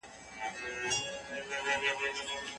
ټولنپوهنه اوس یوه ځانګړې علمي موضوع ده.